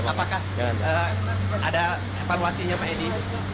apakah ada evaluasinya pak edi